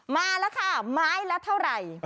มาแล้วค่ะไม้ละเท่าไหร่